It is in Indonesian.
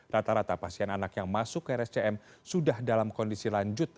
rata rata pasien anak yang masuk ke rscm sudah dalam kondisi lanjut